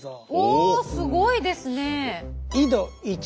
すごいですね！